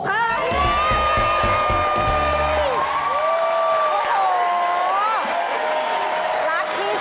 กับปีเดียวกัน